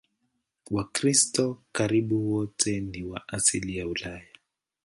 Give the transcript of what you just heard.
Wakristo karibu wote ni wa asili ya Ulaya.